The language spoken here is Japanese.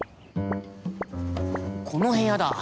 この部屋だ。